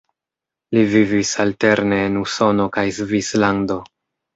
Li vivis alterne en Usono kaj Svislando.